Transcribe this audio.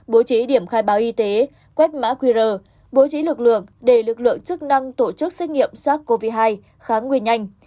bố trí điểm khai báo y tế quét mã qr bố trí lực lượng để lực lượng chức năng tổ chức xét nghiệm sars cov hai kháng nguyên nhanh